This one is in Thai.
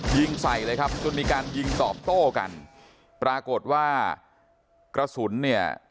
ยิงใส่เลยครับจนมีการยิงตอบโต้กันปรากฏว่ากระสุนเนี่ย